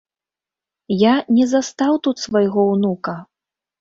Я не застаў тут свайго ўнука?